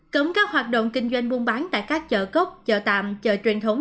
cấm các hoạt động kinh doanh buôn bán tại các chợ cốc chợ tạm chợ truyền thống